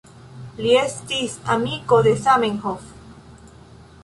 Li estis amiko de Zamenhof.